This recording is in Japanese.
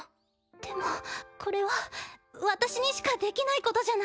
でもこれは私にしかできないことじゃない。